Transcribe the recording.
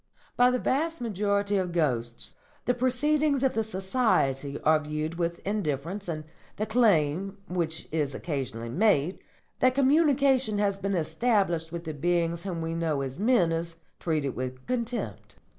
By the vast majority of ghosts the proceedings of the Society are viewed with indifference, and the claim, which is occasionally made, that communication has been established with the beings whom we know as men is treated with contempt.